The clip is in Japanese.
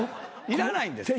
いらないんです。